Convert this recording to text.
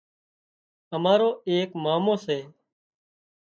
امارو ايڪ مامو سي